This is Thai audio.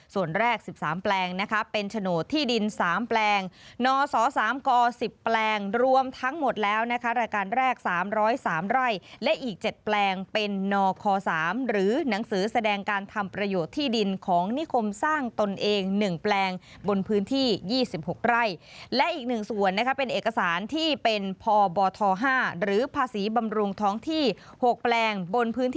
ส่วนแรก๑๓แปลงนะคะเป็นโฉนดที่ดิน๓แปลงนศ๓ก๑๐แปลงรวมทั้งหมดแล้วนะคะรายการแรก๓๐๓ไร่และอีก๗แปลงเป็นนค๓หรือหนังสือแสดงการทำประโยชน์ที่ดินของนิคมสร้างตนเอง๑แปลงบนพื้นที่๒๖ไร่และอีก๑ส่วนเป็นเอกสารที่เป็นพบท๕หรือภาษีบำรุงท้องที่๖แปลงบนพื้นที่